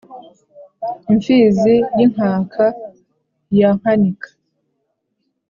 imfizi y'inkaka ya nkanika